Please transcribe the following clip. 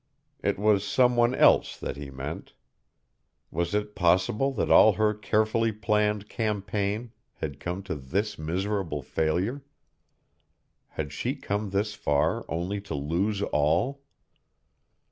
It was some one else that he meant. Was it possible that all her carefully planned campaign had come to this miserable failure? Had she come this far only to lose all?